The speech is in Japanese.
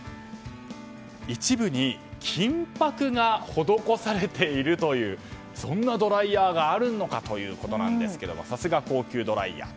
一部に金箔が施されているというそんなドライヤーがあるのかということなんですけどもさすが高級ドライヤー。